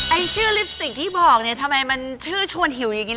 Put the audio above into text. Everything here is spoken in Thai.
ชื่อลิปสติกที่บอกเนี่ยทำไมมันชื่อชวนหิวอย่างนี้ล่ะ